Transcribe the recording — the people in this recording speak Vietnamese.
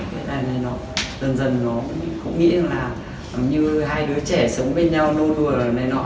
thế này này nọ dần dần nó cũng nghĩ là như hai đứa trẻ sống bên nhau nô đùa này nọ